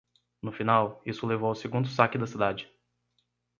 No final, isso levou ao segundo saque da cidade.